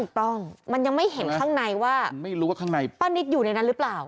ถูกต้องมันยังไม่เห็นข้างในว่าป้านิตอยู่ในนั้นหรือเปล่า